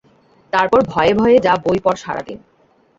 তারপর ভয়ে ভয়ে যা বই পড় সারাদিন।